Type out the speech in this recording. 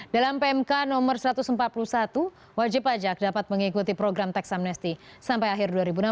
dalam pmk no satu ratus empat puluh satu wajib pajak dapat mengikuti program teks amnesti sampai akhir dua ribu enam belas